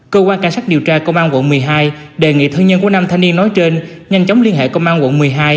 cơ quan cảnh sát điều tra công an quận một mươi hai đề nghị thân nhân của năm thanh niên nói trên nhanh chóng liên hệ công an quận một mươi hai